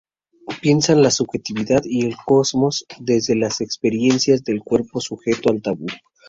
Piensan la subjetividad y el cosmos desde las experiencias del cuerpo sujeto al tabú.